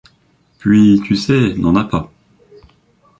Puis, tu sais, N’en-a-pas…